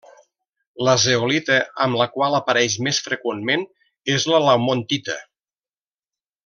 La zeolita amb la qual apareix més freqüentment és la laumontita.